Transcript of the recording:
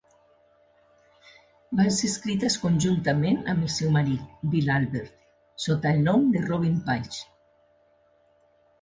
Van ser escrites conjuntament amb el seu marit, Bill Albert, sota el nom de Robin Paige.